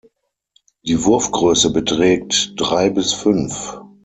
Die Wurfgröße beträgt drei bis fünf.